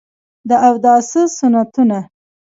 د اوداسه سنتونه: